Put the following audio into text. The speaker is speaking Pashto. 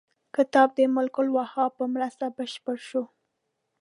کتاب د ملک الوهاب په مرسته بشپړ شو.